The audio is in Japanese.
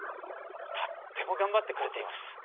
とっても頑張ってくれています。